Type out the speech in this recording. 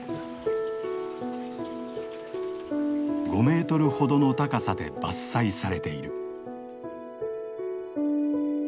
５メートルほどの高さで伐採されている。